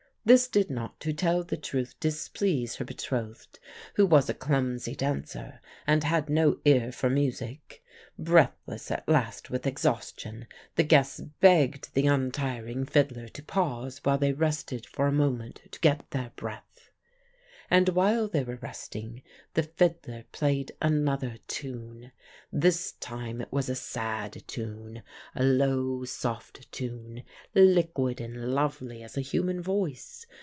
This did not, to tell the truth, displease her betrothed, who was a clumsy dancer and had no ear for music. Breathless at last with exhaustion the guests begged the untiring fiddler to pause while they rested for a moment to get their breath. "And while they were resting the fiddler played another tune. This time it was a sad tune: a low, soft tune, liquid and lovely as a human voice.